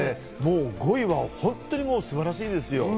５位は本当に素晴らしいですよ。